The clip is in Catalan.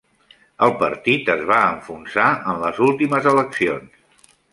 El partit es va enfonsar en les últimes eleccions